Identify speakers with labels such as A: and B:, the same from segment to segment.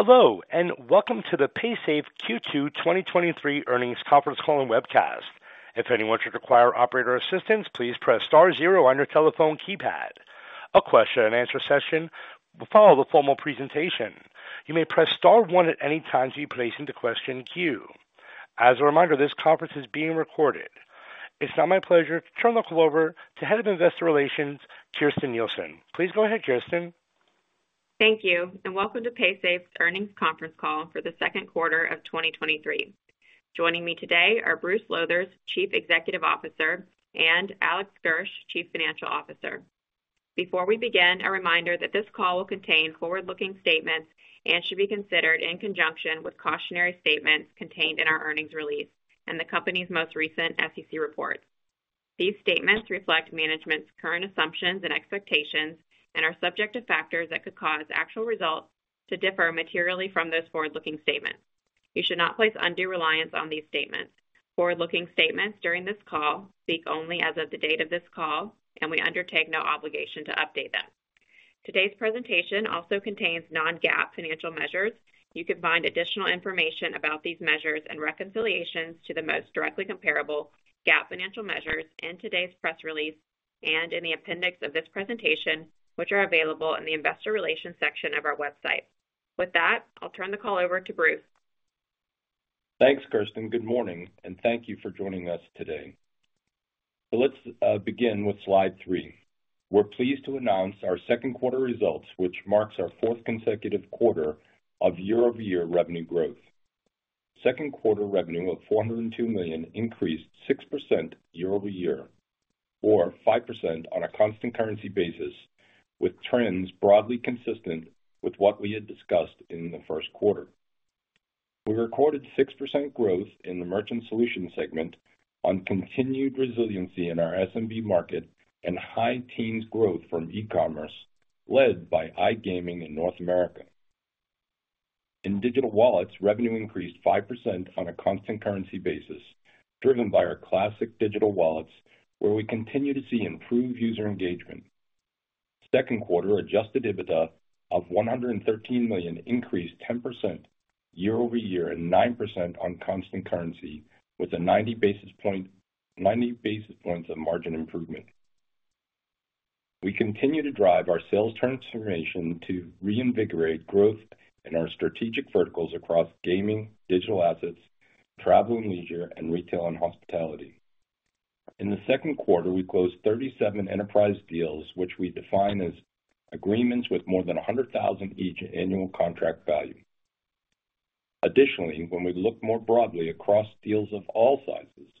A: Hello, welcome to the Paysafe Q2 2023 earnings conference call and webcast. If anyone should require operator assistance, please press star zero on your telephone keypad. A question and answer session will follow the formal presentation. You may press star one at any time to be placed into question queue. As a reminder, this conference is being recorded. It's now my pleasure to turn the call over to Head of Investor Relations, Kirsten Nielsen. Please go ahead, Kirsten.
B: Thank you. Welcome to Paysafe's earnings conference call for the second quarter of 2023. Joining me today are Bruce Lowthers, Chief Executive Officer, and Alex Gersh, Chief Financial Officer. Before we begin, a reminder that this call will contain forward-looking statements and should be considered in conjunction with cautionary statements contained in our earnings release and the company's most recent SEC reports. These statements reflect management's current assumptions and expectations and are subject to factors that could cause actual results to differ materially from those forward-looking statements. You should not place undue reliance on these statements. Forward-looking statements during this call speak only as of the date of this call, and we undertake no obligation to update them. Today's presentation also contains non-GAAP financial measures. You can find additional information about these measures and reconciliations to the most directly comparable GAAP financial measures in today's press release and in the appendix of this presentation, which are available in the Investor Relations section of our website. With that, I'll turn the call over to Bruce.
C: Thanks, Kirsten. Good morning, and thank you for joining us today. Let's begin with slide 3. We're pleased to announce our second quarter results, which marks our fourth consecutive quarter of year-over-year revenue growth. Second quarter revenue of $402 million increased 6% year-over-year, or 5% on a constant currency basis, with trends broadly consistent with what we had discussed in the first quarter. We recorded 6% growth in the Merchant Solutions segment on continued resiliency in our SMB market and high teens growth from e-commerce, led by iGaming in North America. In Digital Wallets, revenue increased 5% on a constant currency basis, driven by our classic digital wallets, where we continue to see improved user engagement. Second quarter Adjusted EBITDA of $113 million increased 10% year-over-year and 9% on constant currency, with 90 basis points of margin improvement. We continue to drive our sales transformation to reinvigorate growth in our strategic verticals across gaming, digital assets, travel and leisure, and retail and hospitality. In the second quarter, we closed 37 enterprise deals, which we define as agreements with more than $100,000 each annual contract value. Additionally, when we look more broadly across deals of all sizes,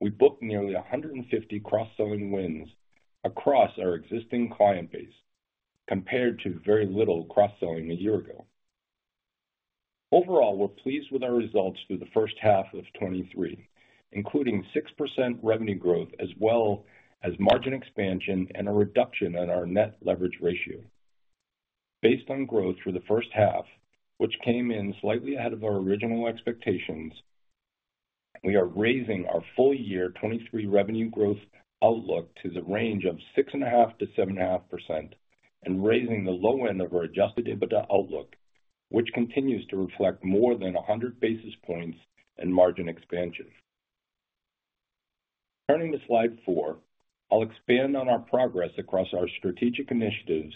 C: we booked nearly 150 cross-selling wins across our existing client base, compared to very little cross-selling a year ago. Overall, we're pleased with our results through the first half of 2023, including 6% revenue growth as well as margin expansion and a reduction in our net leverage ratio. Based on growth through the first half, which came in slightly ahead of our original expectations, we are raising our full year 2023 revenue growth outlook to the range of 6.5%-7.5%, and raising the low end of our Adjusted EBITDA outlook, which continues to reflect more than 100 basis points in margin expansion. Turning to slide 4, I'll expand on our progress across our strategic initiatives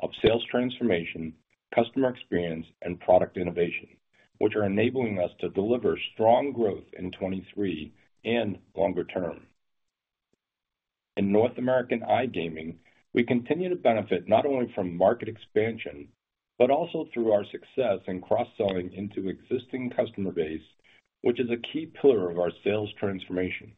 C: of sales transformation, customer experience, and product innovation, which are enabling us to deliver strong growth in 2023 and longer term. In North American iGaming, we continue to benefit not only from market expansion, but also through our success in cross-selling into existing customer base, which is a key pillar of our sales transformation.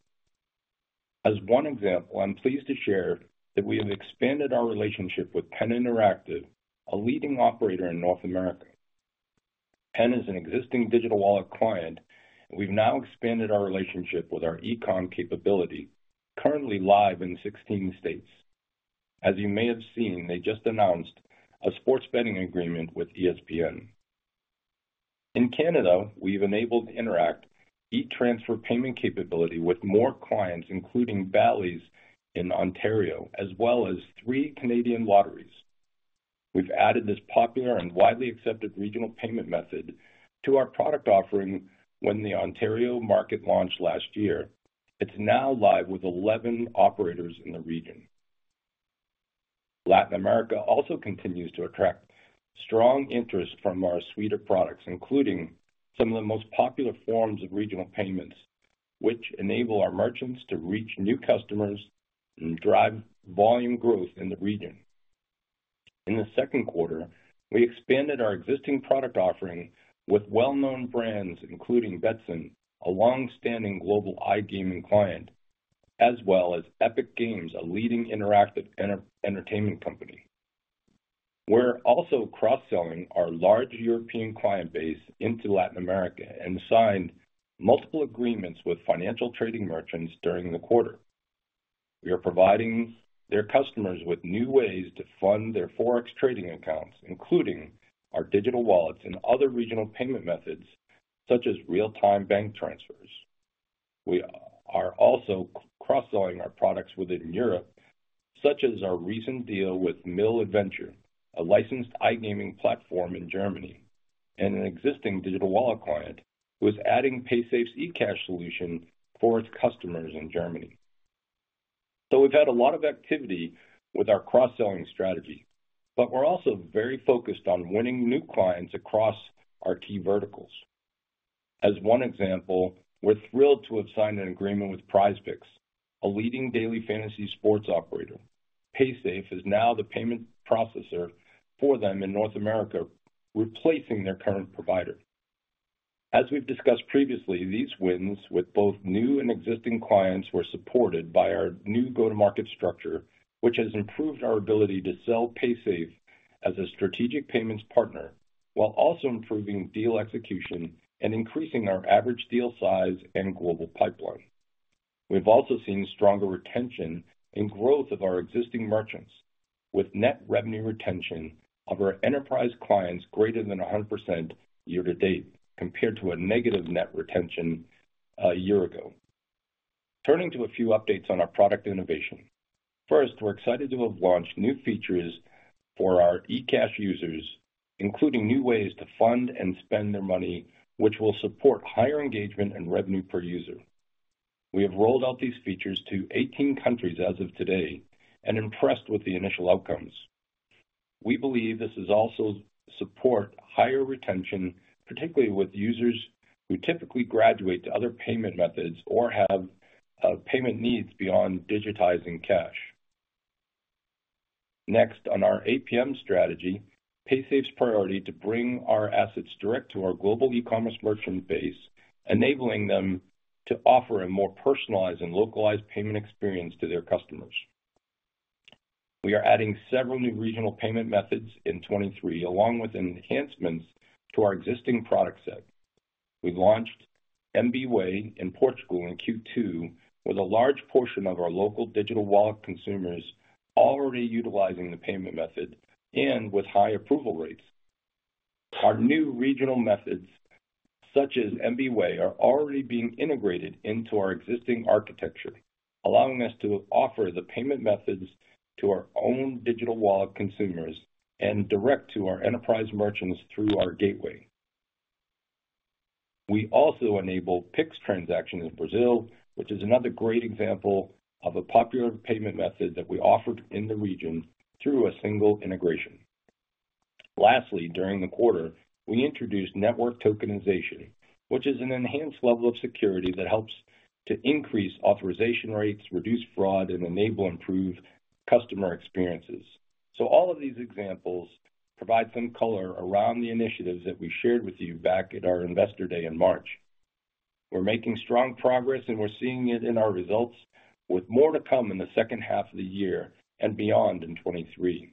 C: As one example, I'm pleased to share that we have expanded our relationship with PENN Interactive, a leading operator in North America. PENN is an existing Digital Wallet client, and we've now expanded our relationship with our e-com capability, currently live in 16 states. As you may have seen, they just announced a sports betting agreement with ESPN. In Canada, we've enabled Interac e-Transfer payment capability with more clients, including Bally's in Ontario, as well as three Canadian lotteries. We've added this popular and widely accepted regional payment method to our product offering when the Ontario market launched last year. It's now live with 11 operators in the region. Latin America also continues to attract strong interest from our suite of products, including some of the most popular forms of regional payments, which enable our merchants to reach new customers and drive volume growth in the region. In the second quarter, we expanded our existing product offering with well-known brands, including Betsson, a long-standing global iGaming client, as well as Epic Games, a leading interactive entertainment company. We're also cross-selling our large European client base into Latin America and signed multiple agreements with financial trading merchants during the quarter. We are providing their customers with new ways to fund their Forex trading accounts, including our digital wallets and other regional payment methods, such as real-time bank transfers. We are also cross-selling our products within Europe, such as our recent deal with Mill Adventure, a licensed iGaming platform in Germany, and an existing digital wallet client, who is adding Paysafe's PaysafeCash solution for its customers in Germany. We've had a lot of activity with our cross-selling strategy, we're also very focused on winning new clients across our key verticals. As one example, we're thrilled to have signed an agreement with PrizePicks, a leading daily fantasy sports operator. Paysafe is now the payment processor for them in North America, replacing their current provider. As we've discussed previously, these wins with both new and existing clients were supported by our new go-to-market structure, which has improved our ability to sell Paysafe as a strategic payments partner, while also improving deal execution and increasing our average deal size and global pipeline. We've also seen stronger retention and growth of our existing merchants, with net revenue retention of our enterprise clients greater than 100% year-to-date, compared to a negative net retention a year ago. Turning to a few updates on our product innovation. First, we're excited to have launched new features for our PaysafeCash users, including new ways to fund and spend their money, which will support higher engagement and revenue per user. We have rolled out these features to 18 countries as of today and impressed with the initial outcomes. We believe this is also support higher retention, particularly with users who typically graduate to other payment methods or have payment needs beyond digitizing cash. Next, on our APM strategy, Paysafe's priority to bring our assets direct to our global e-commerce merchant base, enabling them to offer a more personalized and localized payment experience to their customers. We are adding several new regional payment methods in 2023, along with enhancements to our existing product set. We've launched MB Way in Portugal in Q2, with a large portion of our local digital wallet consumers already utilizing the payment method and with high approval rates. Our new regional methods, such as MB Way, are already being integrated into our existing architecture, allowing us to offer the payment methods to our own digital wallet consumers and direct to our enterprise merchants through our gateway. We also enable Pix transaction in Brazil, which is another great example of a popular payment method that we offered in the region through a single integration. Lastly, during the quarter, we introduced network tokenization, which is an enhanced level of security that helps to increase authorization rates, reduce fraud, and enable improved customer experiences. All of these examples provide some color around the initiatives that we shared with you back at our Investor Day in March. We're making strong progress, and we're seeing it in our results, with more to come in the second half of the year and beyond in 2023.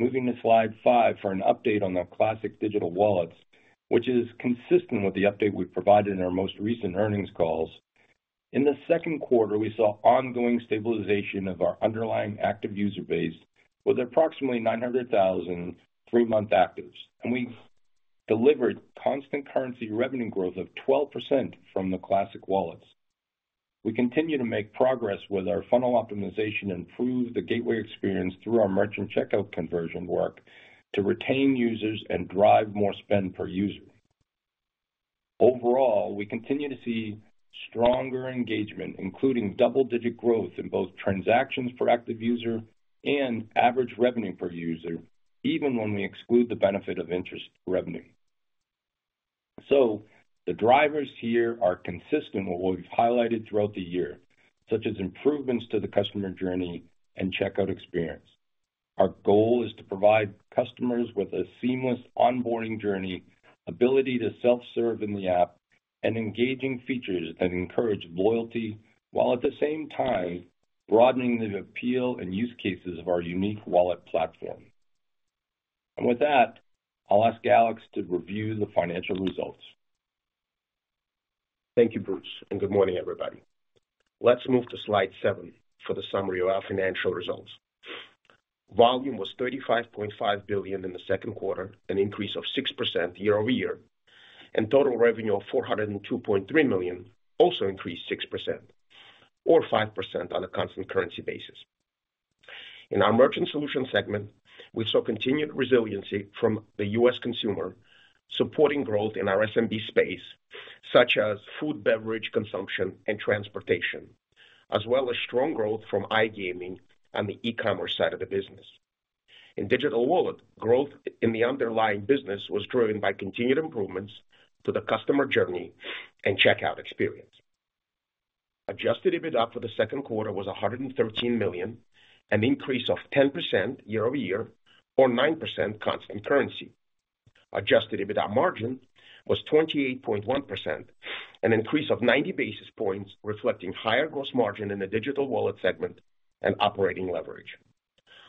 C: Moving to slide five for an update on our classic Digital Wallets, which is consistent with the update we provided in our most recent earnings calls. In the second quarter, we saw ongoing stabilization of our underlying active user base with approximately 900,000 three-month actives, and we delivered constant currency revenue growth of 12% from the classic Wallets. We continue to make progress with our funnel optimization and improve the gateway experience through our merchant checkout conversion work to retain users and drive more spend per user. Overall, we continue to see stronger engagement, including double-digit growth in both transactions per active user and average revenue per user, even when we exclude the benefit of interest revenue. The drivers here are consistent with what we've highlighted throughout the year, such as improvements to the customer journey and checkout experience. Our goal is to provide customers with a seamless onboarding journey, ability to self-serve in the app, and engaging features that encourage loyalty, while at the same time broadening the appeal and use cases of our unique wallet platform. With that, I'll ask Alex to review the financial results.
D: Thank you, Bruce. Good morning, everybody. Let's move to slide 7 for the summary of our financial results. Volume was $35.5 billion in the second quarter, an increase of 6% year-over-year. Total revenue of $402.3 million also increased 6% or 5% on a constant currency basis. In our Merchant Solutions segment, we saw continued resiliency from the US consumer, supporting growth in our SMB space, such as food, beverage, consumption, and transportation, as well as strong growth from iGaming on the e-commerce side of the business. In Digital Wallet, growth in the underlying business was driven by continued improvements to the customer journey and checkout experience. Adjusted EBITDA for the second quarter was $113 million, an increase of 10% year-over-year, or 9% constant currency. Adjusted EBITDA margin was 28.1%, an increase of 90 basis points, reflecting higher gross margin in the digital wallet segment and operating leverage.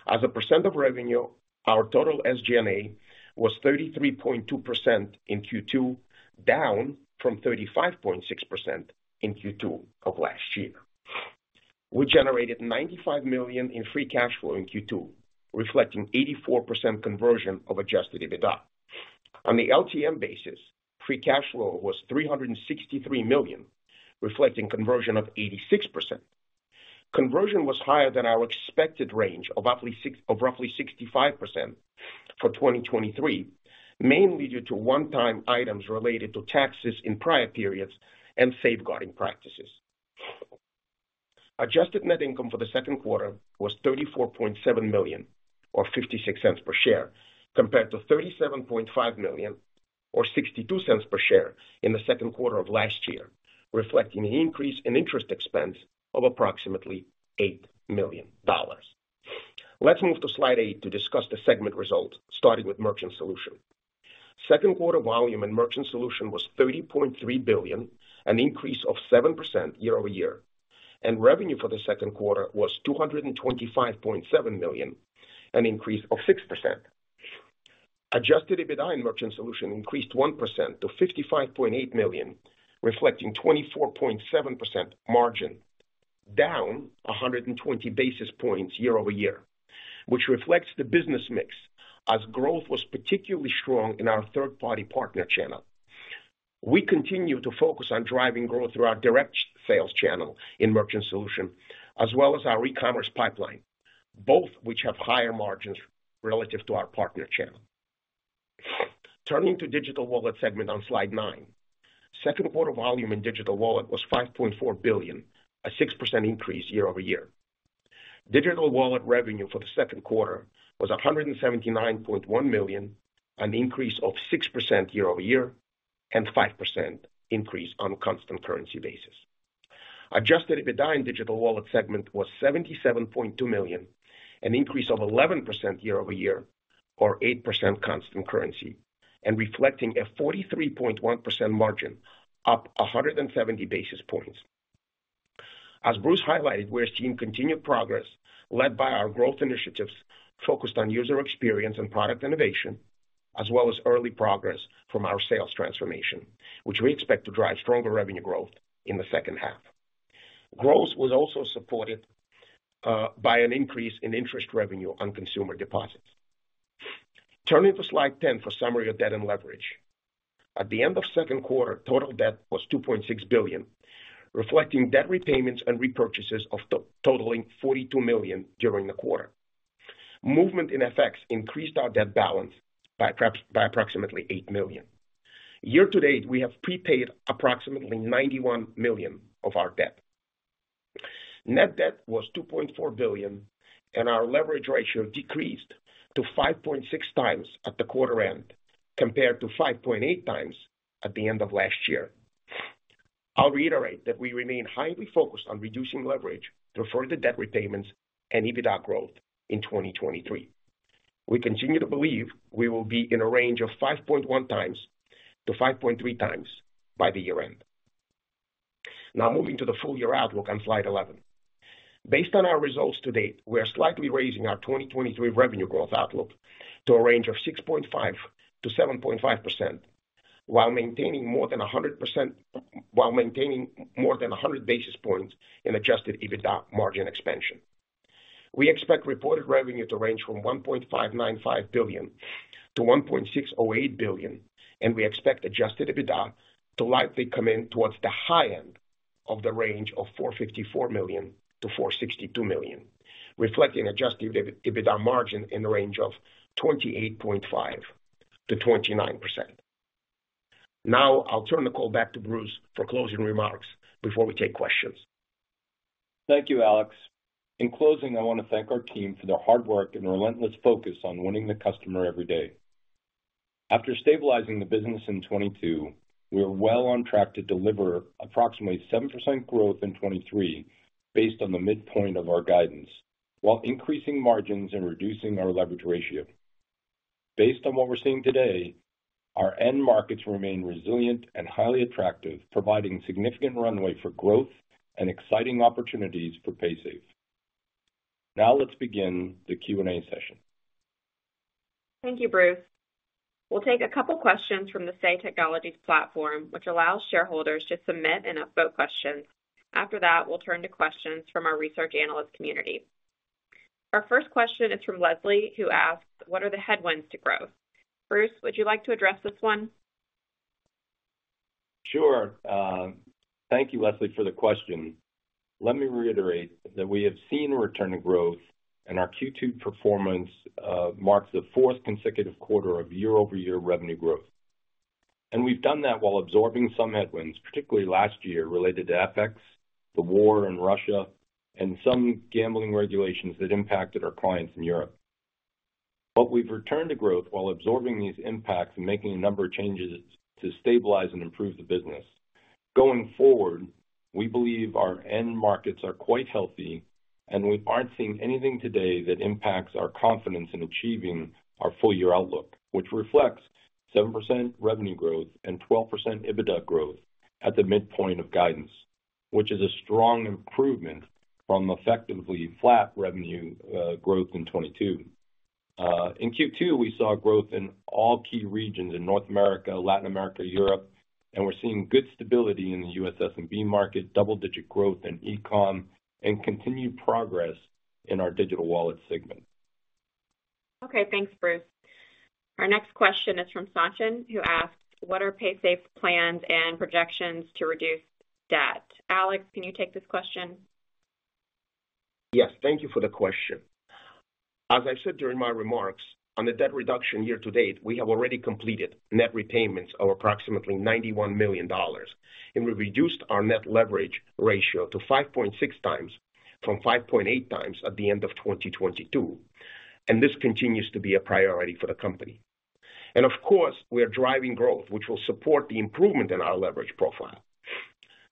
D: As a percent of revenue, our total SG&A was 33.2% in Q2, down from 35.6% in Q2 of last year. We generated $95 million in free cash flow in Q2, reflecting 84% conversion of adjusted EBITDA. On the LTM basis, free cash flow was $363 million, reflecting conversion of 86%. Conversion was higher than our expected range of roughly 65% for 2023, mainly due to one-time items related to taxes in prior periods and safeguarding practices. Adjusted net income for the second quarter was $34.7 million, or $0.56 per share, compared to $37.5 million or $0.62 per share in the second quarter of last year, reflecting an increase in interest expense of approximately $8 million. Let's move to slide 8 to discuss the segment results, starting with Merchant Solutions. Second quarter volume in Merchant Solutions was $30.3 billion, an increase of 7% year-over-year, and revenue for the second quarter was $225.7 million, an increase of 6%. Adjusted EBITDA in Merchant Solutions increased 1% to $55.8 million, reflecting 24.7% margin, down 120 basis points year-over-year, which reflects the business mix as growth was particularly strong in our third-party partner channel. We continue to focus on driving growth through our direct sales channel in Merchant Solutions, as well as our e-commerce pipeline, both which have higher margins relative to our partner channel. Turning to Digital Wallet segment on slide 9. Second quarter volume in Digital Wallet was $5.4 billion, a 6% increase year-over-year. Digital Wallet revenue for the second quarter was $179.1 million, an increase of 6% year-over-year, and 5% increase on a constant currency basis. Adjusted EBITDA in Digital Wallet segment was $77.2 million, an increase of 11% year-over-year or 8% constant currency, and reflecting a 43.1% margin, up 170 basis points. As Bruce highlighted, we're seeing continued progress led by our growth initiatives focused on user experience and product innovation, as well as early progress from our sales transformation, which we expect to drive stronger revenue growth in the second half. Growth was also supported by an increase in interest revenue on consumer deposits. Turning to slide 10 for summary of debt and leverage. At the end of second quarter, total debt was $2.6 billion, reflecting debt repayments and repurchases totaling $42 million during the quarter. Movement in FX increased our debt balance by approximately $8 million. Year to date, we have prepaid approximately $91 million of our debt. Net debt was $2.4 billion, and our leverage ratio decreased to 5.6 times at the quarter end, compared to 5.8 times at the end of last year. I'll reiterate that we remain highly focused on reducing leverage through further debt repayments and EBITDA growth in 2023. We continue to believe we will be in a range of 5.1-5.3 times by the year end. Now moving to the full year outlook on slide 11. Based on our results to date, we are slightly raising our 2023 revenue growth outlook to a range of 6.5%-7.5%, while maintaining more than 100 basis points in Adjusted EBITDA margin expansion. We expect reported revenue to range from $1.595 billion to $1.608 billion, and we expect adjusted EBITDA to likely come in towards the high end of the range of $454 million to $462 million, reflecting adjusted EBITDA margin in the range of 28.5%-29%. Now, I'll turn the call back to Bruce for closing remarks before we take questions.
C: Thank you, Alex. In closing, I want to thank our team for their hard work and relentless focus on winning the customer every day. After stabilizing the business in 2022, we are well on track to deliver approximately 7% growth in 2023 based on the midpoint of our guidance, while increasing margins and reducing our net leverage ratio. Based on what we're seeing today, our end markets remain resilient and highly attractive, providing significant runway for growth and exciting opportunities for Paysafe. Let's begin the Q&A session.
B: Thank you, Bruce. We'll take a couple questions from the Say Technologies platform, which allows shareholders to submit and upvote questions. After that, we'll turn to questions from our research analyst community. Our first question is from Leslie, who asks: What are the headwinds to growth? Bruce, would you like to address this one?
C: Sure. Thank you, Leslie, for the question. Let me reiterate that we have seen a return to growth, and our Q2 performance marks the fourth consecutive quarter of year-over-year revenue growth. We've done that while absorbing some headwinds, particularly last year, related to FX, the war in Russia, and some gambling regulations that impacted our clients in Europe. We've returned to growth while absorbing these impacts and making a number of changes to stabilize and improve the business. Going forward, we believe our end markets are quite healthy, and we aren't seeing anything today that impacts our confidence in achieving our full year outlook, which reflects 7% revenue growth and 12% EBITDA growth at the midpoint of guidance, which is a strong improvement from effectively flat revenue growth in 2022. In Q2, we saw growth in all key regions in North America, Latin America, Europe, and we're seeing good stability in the US SMB market, double-digit growth in e-com, and continued progress in our Digital Wallets segment.
B: Okay, thanks, Bruce. Our next question is from Sachin, who asks: "What are Paysafe's plans and projections to reduce debt?" Alex, can you take this question?
D: Yes. Thank you for the question. As I said during my remarks, on the debt reduction year to date, we have already completed net repayments of approximately $91 million. We reduced our net leverage ratio to 5.6 times from 5.8 times at the end of 2022. This continues to be a priority for the company. Of course, we are driving growth, which will support the improvement in our leverage profile.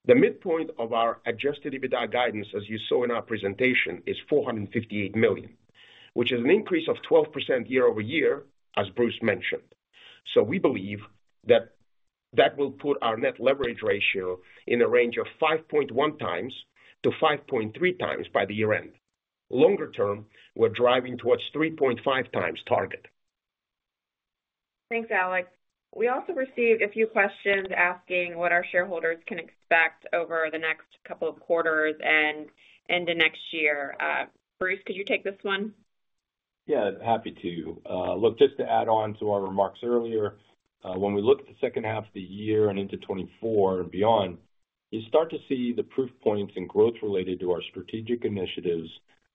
D: The midpoint of our Adjusted EBITDA guidance, as you saw in our presentation, is $458 million, which is an increase of 12% year-over-year, as Bruce mentioned. We believe that that will put our net leverage ratio in the range of 5.1 times-5.3 times by the year end. Longer term, we're driving towards 3.5 times target.
B: Thanks, Alex. We also received a few questions asking what our shareholders can expect over the next couple of quarters and into next year. Bruce, could you take this one?
C: Happy to. Look, just to add on to our remarks earlier, when we look at the second half of the year and into 2024 and beyond, you start to see the proof points and growth related to our strategic initiatives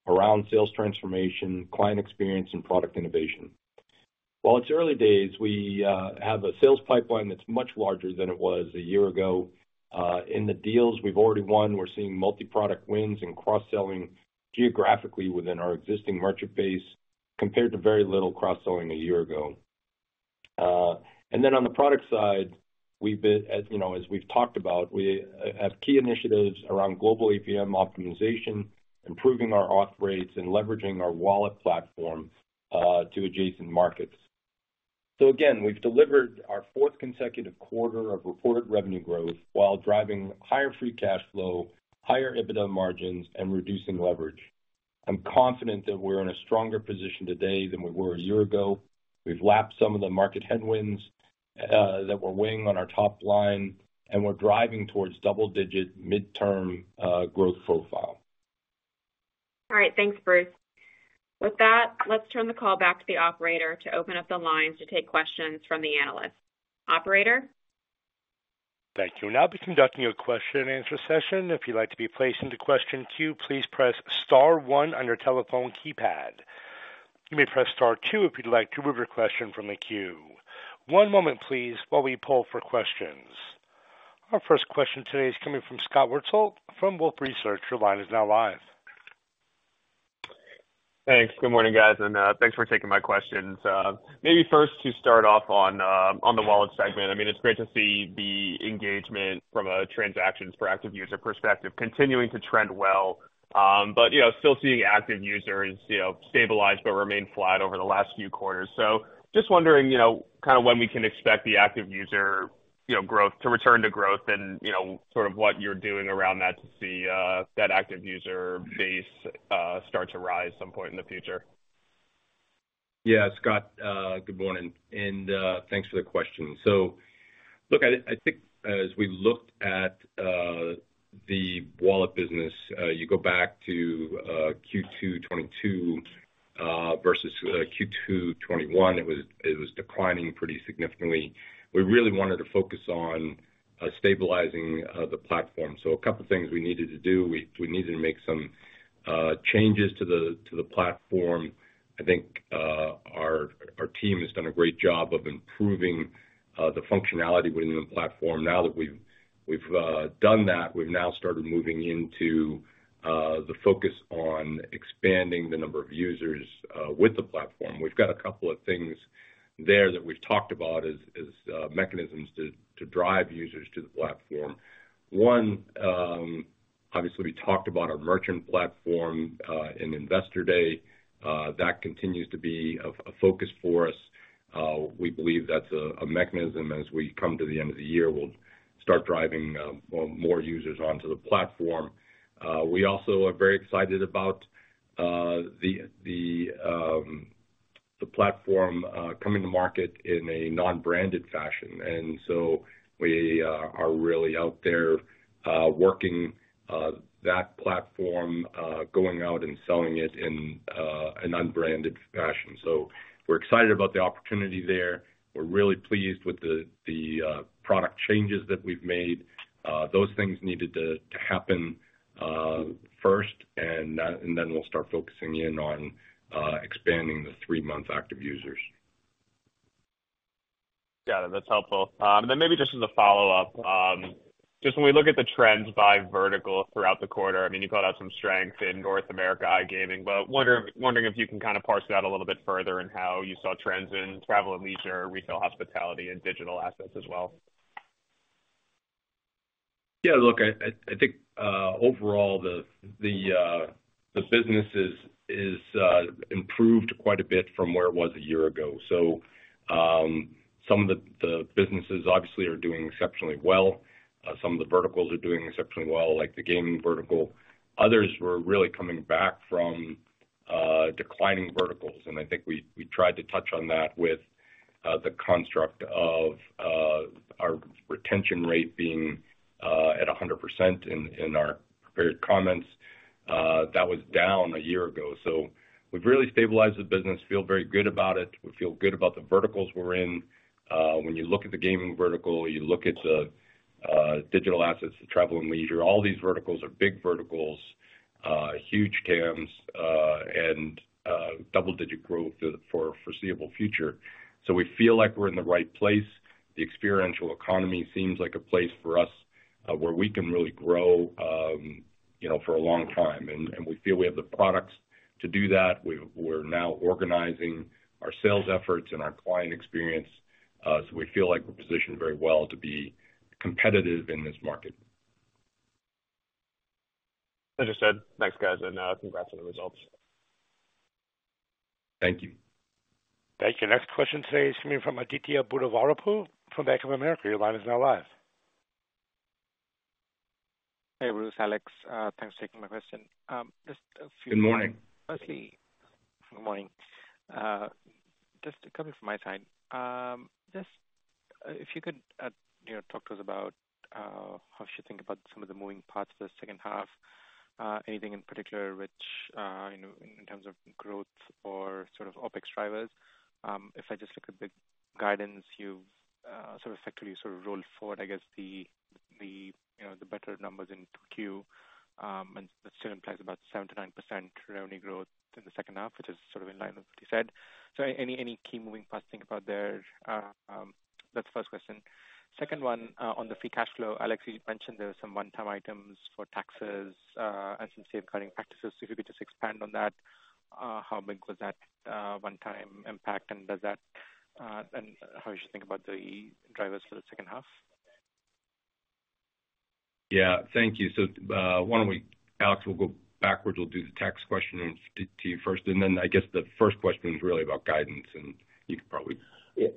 C: around sales transformation, client experience, and product innovation. While it's early days, we have a sales pipeline that's much larger than it was a year ago. In the deals we've already won, we're seeing multi-product wins and cross-selling geographically within our existing merchant base, compared to very little cross-selling a year ago. On the product side, we've been, as you know, as we've talked about, we have key initiatives around global APM optimization, improving our auth rates, and leveraging our wallet platform to adjacent markets. Again, we've delivered our fourth consecutive quarter of reported revenue growth while driving higher free cash flow, higher EBITDA margins, and reducing leverage. I'm confident that we're in a stronger position today than we were a year ago. We've lapped some of the market headwinds that we're weighing on our top line, and we're driving towards double-digit midterm growth profile.
B: All right. Thanks, Bruce. With that, let's turn the call back to the operator to open up the lines to take questions from the analysts. Operator?
A: Thank you. We'll now be conducting a question and answer session. If you'd like to be placed into question queue, please press star 1 on your telephone keypad. You may press star 2 if you'd like to remove your question from the queue. One moment, please, while we pull for questions. Our first question today is coming from Scott Wurtzel from Wolfe Research. Your line is now live.
E: Thanks. Good morning, guys, thanks for taking my questions. Maybe first to start off on the Wallet segment. I mean, it's great to see the engagement from a transactions for active user perspective continuing to trend well, but, you know, still seeing active users, you know, stabilize but remain flat over the last few quarters. Just wondering, you know, kind of when we can expect the active user to return to growth and, you know, sort of what you're doing around that to see that active user base start to rise at some point in the future.
C: Yeah, Scott, good morning, and thanks for the question. Look, I, I think as we looked at the wallet business, you go back to Q2 2022 versus Q2 2021, it was, it was declining pretty significantly. We really wanted to focus on stabilizing the platform. A couple of things we needed to do. We, we needed to make some changes to the, to the platform. I think our, our team has done a great job of improving the functionality within the platform. Now that we've, we've done that, we've now started moving into the focus on expanding the number of users with the platform. We've got a couple of things there that we've talked about as, as mechanisms to, to drive users to the platform. One, obviously, we talked about our merchant platform in Investor Day. That continues to be a focus for us. We believe that's a mechanism as we come to the end of the year, we'll start driving more users onto the platform. We also are very excited about the the the platform coming to market in a non-branded fashion. We are really out there working that platform going out and selling it in an unbranded fashion. We're excited about the opportunity there. We're really pleased with the the product changes that we've made. Those things needed to happen first, and then, and then we'll start focusing in on expanding the three-month active users.
E: Got it. That's helpful. Maybe just as a follow-up, just when we look at the trends by vertical throughout the quarter, I mean, you called out some strength in North America iGaming, but wondering, wondering if you can kind of parse it out a little bit further and how you saw trends in travel and leisure, retail, hospitality, and digital assets as well?
C: Yeah, look, I, I, I think overall the, the business is, is improved quite a bit from where it was a year ago. Some of the, the businesses obviously are doing exceptionally well. Some of the verticals are doing exceptionally well, like the gaming vertical. Others were really coming back from declining verticals, and I think we, we tried to touch on that with the construct of our retention rate being at 100% in, in our prepared comments. That was down a year ago. We've really stabilized the business, feel very good about it. We feel good about the verticals we're in. When you look at the gaming vertical, you look at the digital assets, the travel and leisure, all these verticals are big verticals, huge TAMs, and double-digit growth for the foreseeable future. We feel like we're in the right place. The experiential economy seems like a place for us, where we can really grow, you know, for a long time, and we feel we have the products to do that. We're now organizing our sales efforts and our client experience, so we feel like we're positioned very well to be competitive in this market.
E: As you said, thanks, guys, and, congrats on the results.
C: Thank you.
A: Thank you. Next question today is coming from Aditya Buddhavarapu from Bank of America. Your line is now live.
F: Hey, Bruce, Alex, thanks for taking my question. Just a few-
C: Good morning.
F: Firstly, good morning. Just coming from my side, just if you could, you know, talk to us about how you should think about some of the moving parts for the second half. Anything in particular which, you know, in terms of growth or sort of OpEx drivers? If I just look at the guidance, you've sort of effectively sort of rolled forward, I guess, the, the, you know, the better numbers in Q2, that still implies about 7%-9% revenue growth in the second half, which is sort of in line with what you said. Any, any key moving parts to think about there? That's the first question. Second one, on the free cash flow, Alex, you mentioned there were some one-time items for taxes and some safeguarding practices. If you could just expand on that, how big was that one-time impact, and does that, and how we should think about the drivers for the second half?
C: Yeah. Thank you. Why don't we-- Alex, we'll go backwards. We'll do the tax question to you first, and then I guess the first question is really about guidance, and you could probably-
D: Yeah.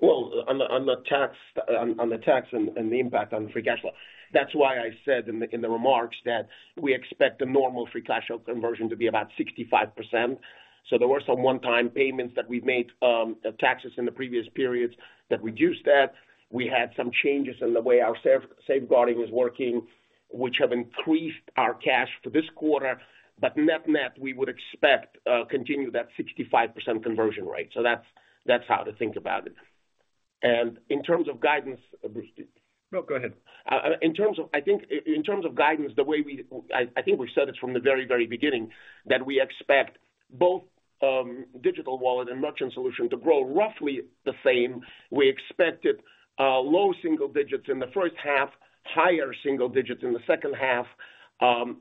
D: Well, on the tax, on the tax and the impact on the free cash flow, that's why I said in the remarks that we expect the normal free cash flow conversion to be about 65%. There were some one-time payments that we made, the taxes in the previous periods that reduced that. We had some changes in the way our safeguarding was working, which have increased our cash for this quarter, but net-net, we would expect continue that 65% conversion rate. That's, that's how to think about it. In terms of guidance-
C: No, go ahead.
D: I think, in terms of guidance, the way we, I, I think we've said it from the very, very beginning, that we expect both Digital Wallet and Merchant Solutions to grow roughly the same. We expected low single digits in the first half, higher single digits in the second half.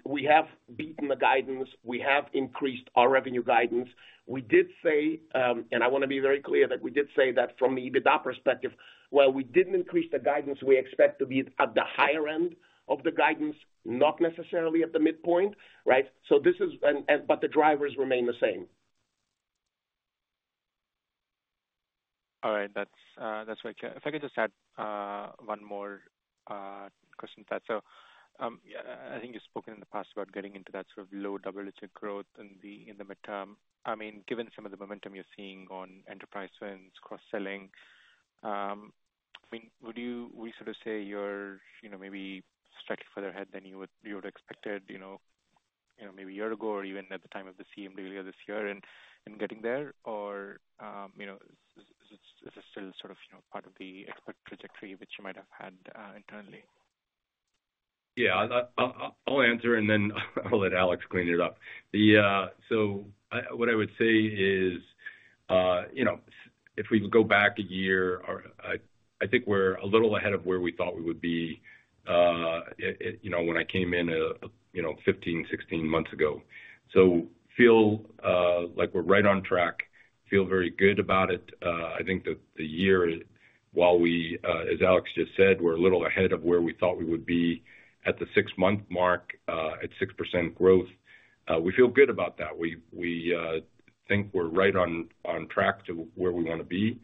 D: We have beaten the guidance. We have increased our revenue guidance. We did say, and I want to be very clear, that we did say that from the EBITDA perspective, while we didn't increase the guidance, we expect to be at the higher end of the guidance, not necessarily at the midpoint, right? The drivers remain the same.
F: All right. That's, that's very clear. If I could just add one more question to that. Yeah, I, I think you've spoken in the past about getting into that sort of low double-digit growth in the, in the midterm. I mean, given some of the momentum you're seeing on enterprise wins, cross-selling, I mean, would you, we sort of say you're, you know, maybe stretched further ahead than you would, you would expected, you know, you know, maybe a year ago or even at the time of the CMO earlier this year in, in getting there? Or, you know, is this, is this still sort of, you know, part of the expected trajectory which you might have had internally?
C: Yeah. I, I'll, I'll answer, and then I'll let Alex clean it up. The... what I would say is, you know, if we go back a year, or I, I think we're a little ahead of where we thought we would be, it, it, you know, when I came in, you know, 15, 16 months ago. Feel like we're right on track, feel very good about it. I think that the year, while we, as Alex just said, we're a little ahead of where we thought we would be at the 6-month mark, at 6% growth. We feel good about that. We, we, think we're right on, on track to where we want to be.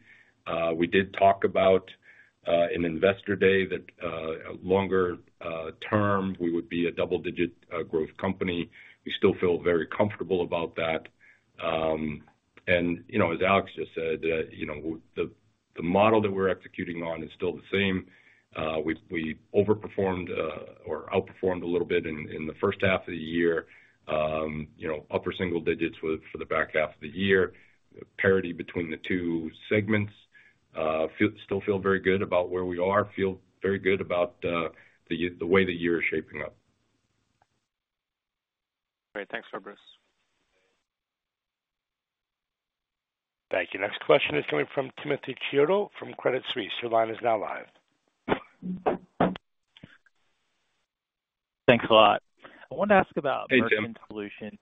C: We did talk about in Investor Day, that longer term, we would be a double-digit growth company. We still feel very comfortable about that. You know, as Alex just said, you know, the model that we're executing on is still the same. We've overperformed or outperformed a little bit in the first half of the year. You know, upper single digits with, for the back half of the year, parity between the two segments. Still feel very good about where we are, feel very good about the way the year is shaping up.
F: Great. Thanks for Bruce.
A: Thank you. Next question is coming from Timothy Chiodo from Credit Suisse. Your line is now live.
G: Thanks a lot. I wanted to ask about-
C: Hey, Tim.
G: Merchant Solutions.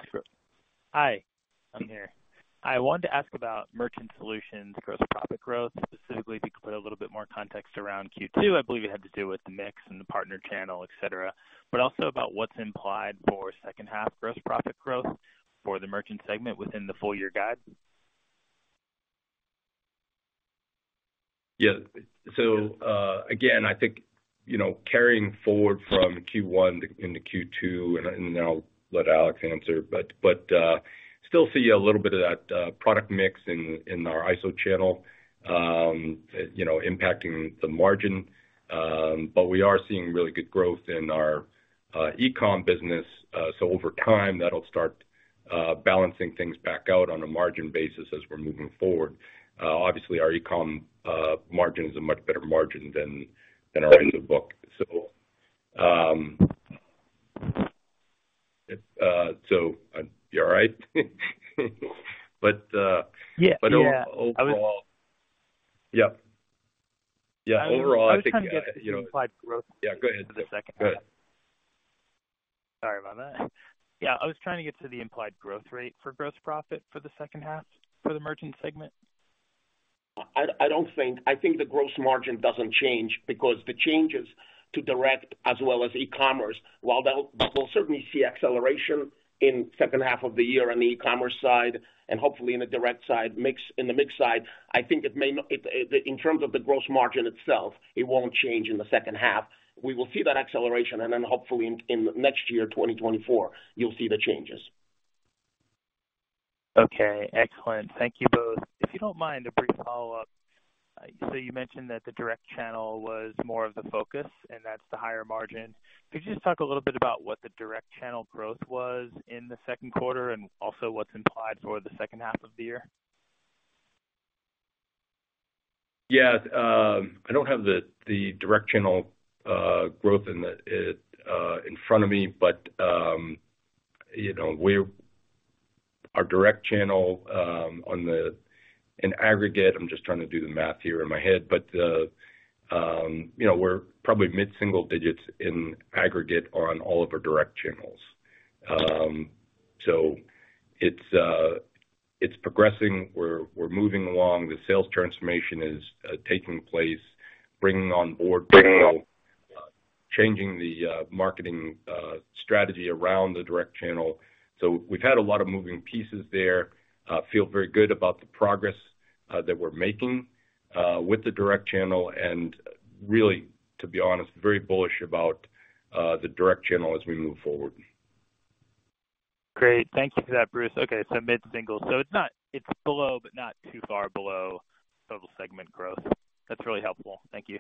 G: Hi, I'm here. I wanted to ask about Merchant Solutions' gross profit growth, specifically, if you could put a little bit more context around Q2. I believe it had to do with the mix and the partner channel, et cetera, but also about what's implied for second half gross profit growth for the merchant segment within the full year guide?...
C: Yeah. Again, I think, you know, carrying forward from Q1 into Q2, and, and I'll let Alex answer, but, but, still see a little bit of that, product mix in, in our ISO channel, you know, impacting the margin. We are seeing really good growth in our, e-com business. Over time, that'll start balancing things back out on a margin basis as we're moving forward. Obviously, our e-com, margin is a much better margin than, than our in-the-book. So, you all right? But...
G: Yeah, yeah.
C: Overall, Yeah. Yeah, overall, I think, yeah, you know.
G: I was trying to get the implied growth-
C: Yeah, go ahead.
G: For the second half.
C: Go ahead.
G: Sorry about that. Yeah, I was trying to get to the implied growth rate for gross profit for the second half for the merchant segment.
D: I, I don't think, I think the gross margin doesn't change because the changes to direct as well as e-commerce, while they'll, they'll certainly see acceleration in second half of the year on the e-commerce side and hopefully in the direct side, mix, in the mix side, I think it may not. It, it, in terms of the gross margin itself, it won't change in the second half. We will see that acceleration, and then hopefully in, in next year, 2024, you'll see the changes.
G: Okay, excellent. Thank you both. If you don't mind, a brief follow-up. You mentioned that the direct channel was more of the focus, and that's the higher margin. Could you just talk a little bit about what the direct channel growth was in the second quarter and also what's implied for the second half of the year?
C: Yeah, I don't have the, the direct channel growth in the in front of me, but, you know, our direct channel on the, in aggregate, I'm just trying to do the math here in my head, but, you know, we're probably mid-single digits in aggregate on all of our direct channels. It's progressing. We're, we're moving along. The sales transformation is taking place, bringing on board, changing the marketing strategy around the direct channel. We've had a lot of moving pieces there. Feel very good about the progress that we're making with the direct channel and really, to be honest, very bullish about the direct channel as we move forward.
G: Great. Thank you for that, Bruce. Okay, mid-single. It's below, but not too far below total segment growth. That's really helpful. Thank you.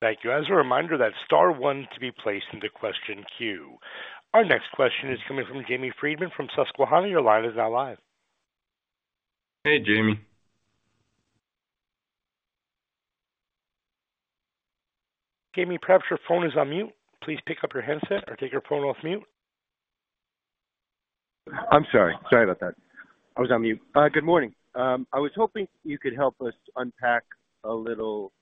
A: Thank you. As a reminder, that's star one to be placed into question queue. Our next question is coming from Jamie Friedman from Susquehanna. Your line is now live.
C: Hey, Jamie.
A: Jamie, perhaps your phone is on mute. Please pick up your handset or take your phone off mute.
H: I'm sorry. Sorry about that. I was on mute. Good morning. I was hoping you could help us unpack a little,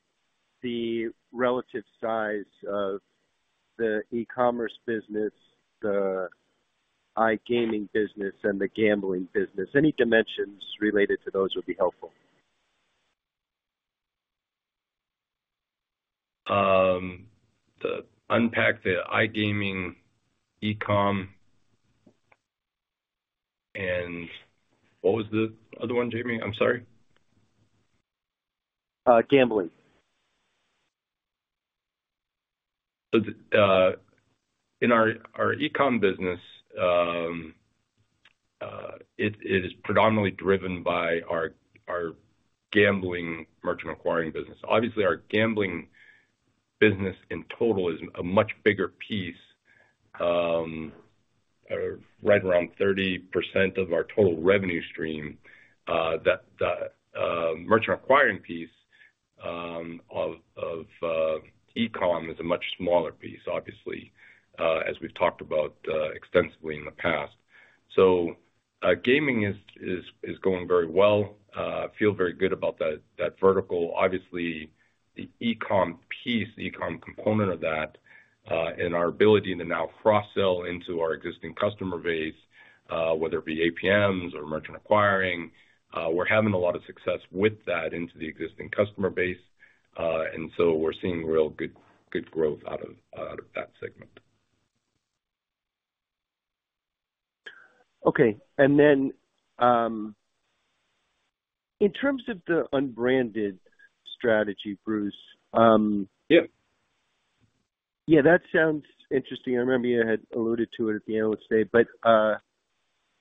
H: the relative size of the e-commerce business, the iGaming business, and the gambling business. Any dimensions related to those would be helpful.
C: The unpack the iGaming, e-com, and what was the other one, Jamie? I'm sorry.
H: gambling.
C: In our, our e-com business, it, it is predominantly driven by our, our gambling merchant acquiring business. Obviously, our gambling business in total is a much bigger piece, right around 30% of our total revenue stream. The merchant acquiring piece of e-com is a much smaller piece, as we've talked about extensively in the past. Gaming is, is, is going very well. Feel very good about that, that vertical. Obviously, the e-com piece, the e-com component of that, and our ability to now cross-sell into our existing customer base, whether it be APMs or merchant acquiring, we're having a lot of success with that into the existing customer base. We're seeing real good, good growth out of, out of that segment.
H: Okay. In terms of the unbranded strategy, Bruce.
C: Yeah.
H: Yeah, that sounds interesting. I remember you had alluded to it at the Investor Day.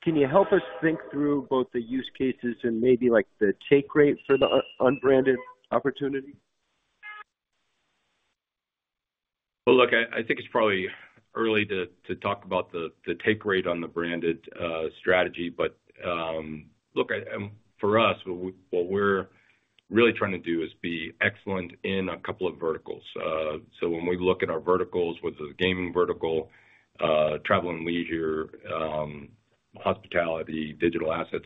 H: Can you help us think through both the use cases and maybe like the take rate for the unbranded opportunity?
C: Well, look, I, I think it's probably early to, to talk about the, the take rate on the branded strategy, but look, I, for us, what we, what we're really trying to do is be excellent in a couple of verticals. When we look at our verticals, whether it's gaming vertical, travel and leisure, hospitality, digital assets,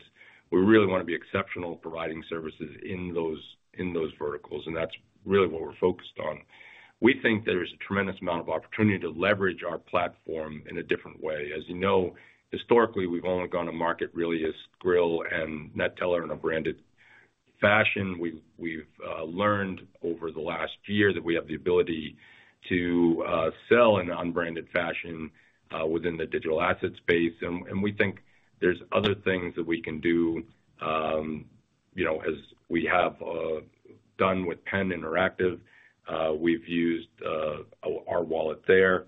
C: we really want to be exceptional providing services in those, in those verticals, and that's really what we're focused on. We think there is a tremendous amount of opportunity to leverage our platform in a different way. As you know, historically, we've only gone to market really as Skrill and NETELLER in a branded fashion. We've, we've learned over the last year that we have the ability to sell in an unbranded fashion within the digital asset space. We think there's other things that we can do, you know, as we have done with PENN Interactive. We've used our wallet there.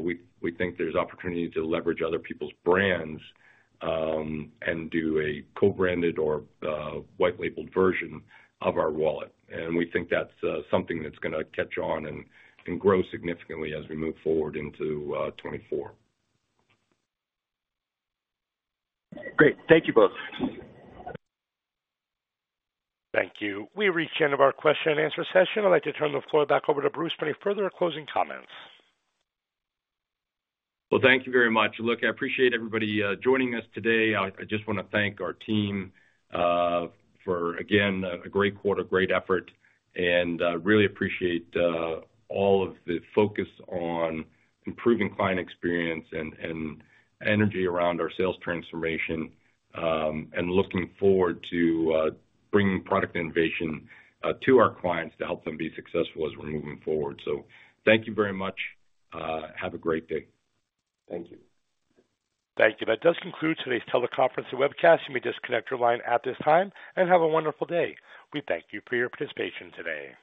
C: We think there's opportunity to leverage other people's brands and do a co-branded or white-labeled version of our wallet. We think that's something that's gonna catch on and grow significantly as we move forward into 2024.
H: Great. Thank you both.
A: Thank you. We've reached the end of our question and answer session. I'd like to turn the floor back over to Bruce for any further closing comments.
C: Well, thank you very much. Look, I appreciate everybody joining us today. I, I just want to thank our team for again, a great quarter, great effort, and really appreciate all of the focus on improving client experience and energy around our sales transformation, and looking forward to bringing product innovation to our clients to help them be successful as we're moving forward. Thank you very much. Have a great day.
D: Thank you.
A: Thank you. That does conclude today's teleconference and webcast. You may disconnect your line at this time and have a wonderful day. We thank you for your participation today.